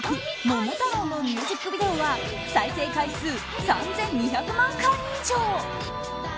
「桃太郎」のミュージックビデオは再生回数３２００万回以上。